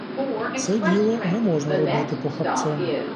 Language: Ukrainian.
Це діло не можна робити похапцем.